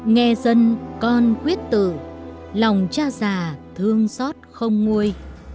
nghe dân con quyết tử lòng cha già thương xót không nguôi